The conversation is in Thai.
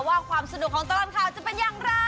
ว่าความสนุกของตลอดข่าวจะเป็นอย่างไร